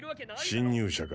侵入者か？